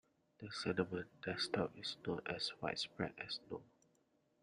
The cinnamon desktop is not as widespread as gnome.